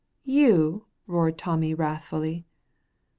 "You!" roared Tommy, wrathfully.